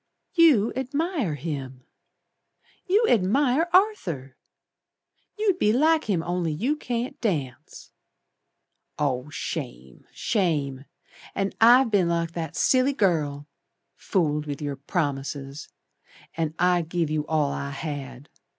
"You admire him! You admire Arthur! You'd be like him only you can't dance. Oh, Shame! Shame! And I've been like that silly girl. Fooled with your promises, And I give you all I had.